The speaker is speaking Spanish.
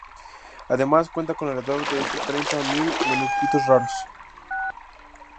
Además, cuenta con alrededor de treinta mil manuscritos raros.